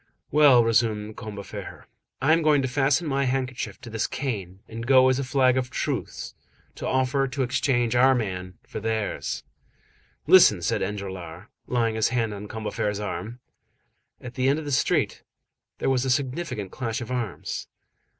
"Well," resumed Combeferre, "I am going to fasten my handkerchief to my cane, and go as a flag of truce, to offer to exchange our man for theirs." "Listen," said Enjolras, laying his hand on Combeferre's arm. At the end of the street there was a significant clash of arms.